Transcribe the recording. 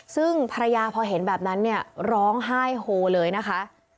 ซึ่งภรรยาพอเห็นแบบนั้นเนี่ยร้องไห้โฮเลยนะคะ